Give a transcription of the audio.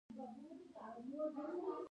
کندهار ځای د غیرتمنو بهادرانو.